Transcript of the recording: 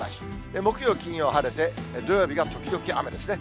木曜、金曜晴れて、土曜日が時々雨ですね。